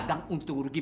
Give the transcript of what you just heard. man di timbus